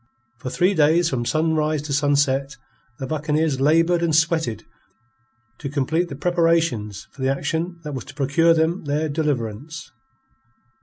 For three days from sunrise to sunset, the buccaneers laboured and sweated to complete the preparations for the action that was to procure them their deliverance.